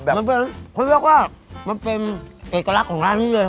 มันเป็นเขาเรียกว่ามันเป็นเอกลักษณ์ของร้านนี้เลย